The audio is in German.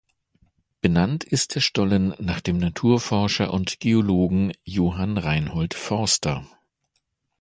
Benannt ist der Stollen nach dem Naturforscher und Geologen Johann Reinhold Forster.